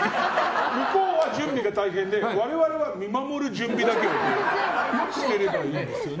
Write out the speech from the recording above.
向こうは準備が大変で私は見守る準備だけしてればいいんですよね。